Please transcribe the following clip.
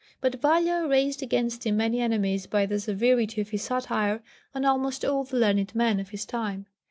But Valla raised against him many enemies by the severity of his satire on almost all the learned men of his time.